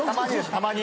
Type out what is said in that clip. たまに。